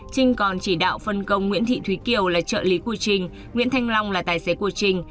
trinh còn chỉ đạo phân công nguyễn thị thúy kiều là trợ lý của trinh nguyễn thanh long là tài xế của trinh